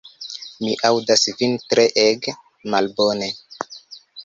Mi aŭdas vin treege malbone.